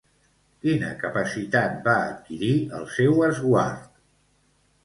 Quina capacitat va adquirir el seu esguard?